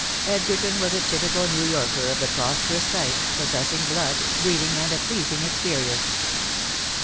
Edgerton was a typical New Yorker of the prosperous type, possessing blood, breeding and a pleasing exterior.